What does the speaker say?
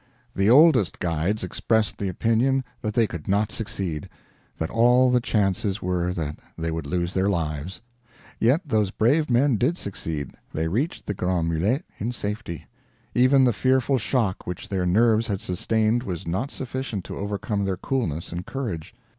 The oldest guides expressed the opinion that they could not succeed; that all the chances were that they would lose their lives. Yet those brave men did succeed. They reached the Grands Mulets in safety. Even the fearful shock which their nerves had sustained was not sufficient to overcome their coolness and courage.